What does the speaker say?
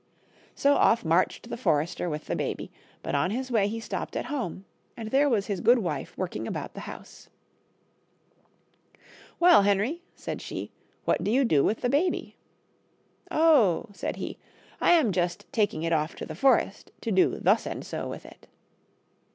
So off marched the forester with the baby ; but on his way he stopped at home, and there was his good wife working about the house. "Well, Henry," said she, "what do you do with the baby?" " Oh !" said he, " I am just taking it off to the forest to do thus and so with it."